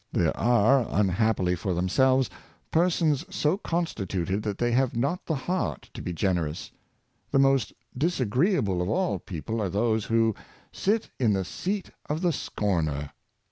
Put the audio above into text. There are, unhappily for them selves, persons so constituted that they have not the heart to be generous. The most disagreeable of all people are those w^ho ^^ sit in the seat of the scorner.''